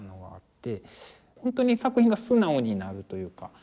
本当に作品が素直になるというか。